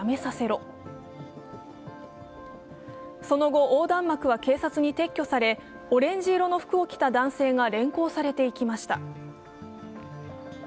その後、横断幕は警察に撤去されオレンジ色の服を着た男性が連行されていきました。